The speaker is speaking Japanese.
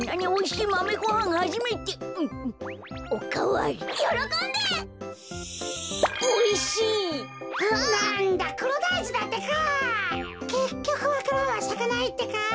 けっきょくわか蘭はさかないってか。